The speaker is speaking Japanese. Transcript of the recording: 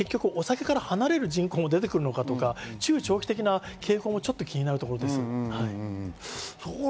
お酒から離れる人口が出てくるのか、中長期的な傾向もちょっと気になるところです。